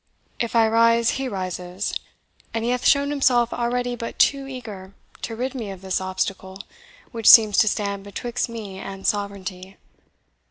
If I rise, he rises; and he hath shown himself already but too, eager to rid me of this obstacle which seems to stand betwixt me and sovereignty.